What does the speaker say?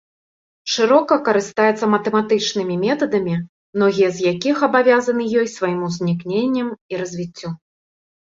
Шырока карыстаецца матэматычнымі метадамі, многія з якіх абавязаны ёй сваім узнікненнем і развіццём.